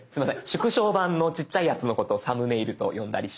縮小版のちっちゃいやつのことを「サムネイル」と呼んだりします。